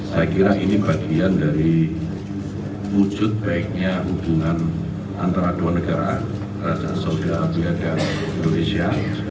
saya kira ini bagian dari wujud baiknya hubungan antara dua negara indonesia